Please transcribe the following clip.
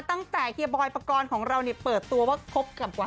ตั้งแต่เฮรบอย์ประกอลของเรานี่เปิดตัวว่า